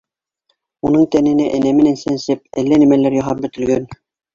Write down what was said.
Уның тәненә энә менән сәнсеп әллә нәмәләр яһап бөтөлгән